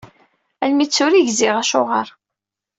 Armi d tura i gziɣ acuɣer.